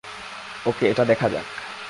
ওকে, এটা দেখা যাক।